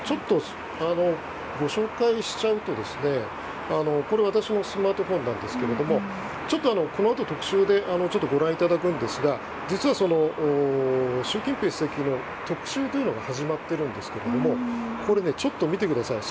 ご紹介しちゃうとこれ、私のスマートフォンですがこのあと、特集でご覧いただくのですが実は、習近平主席の特集が始まっているんですけれどもちょっと、見てください。